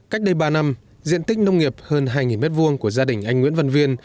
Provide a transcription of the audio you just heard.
cách đây ba năm diện tích nông nghiệp hơn hai m hai của gia đình anh nguyễn văn viên